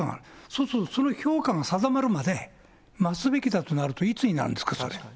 そうするとその評価が定まるまで待つべきだとなると、いつになるんですか、それは。